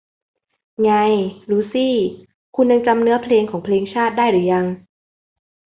ไง ลูซี่ คุณยังจำเนื้อเพลงของเพลงชาติได้หรือยัง